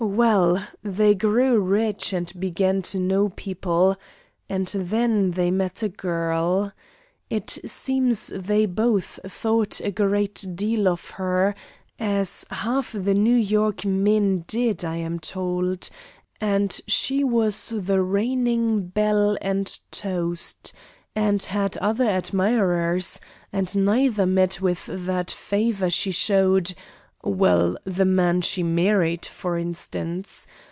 Well, they grew rich and began to know people; and then they met a girl. It seems they both thought a great deal of her, as half the New York men did, I am told; and she was the reigning belle and toast, and had other admirers, and neither met with that favor she showed well, the man she married, for instance.